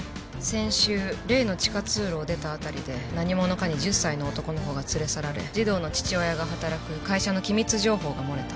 先週例の地下通路を出た辺りで何者かに１０歳の男の子が連れ去られ児童の父親が働く会社の機密情報が漏れた。